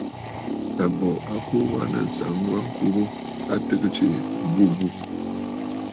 Àbòò a kuu wa nɨ̂ ànsaŋ wa ŋkurə a tɨgə̀ m̀bə tsiʼì àbûbû.